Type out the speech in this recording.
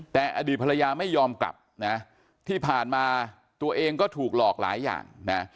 แต่อดีตภรรยาไม่ยอมกลับนะที่ผ่านมาตัวเองก็ถูกหลอกหลายอย่างนะ